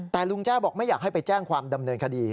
แต่ลุงแจ้บอกไม่อยากให้ไปแจ้งความดำเนินคดี